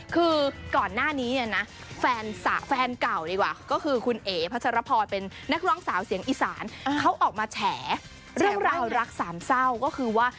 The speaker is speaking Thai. เค้าออกมาแชว้าแล้วราวรักสามเศร้าก็คือว่า